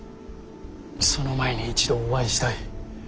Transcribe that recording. その前に一度お会いしたい。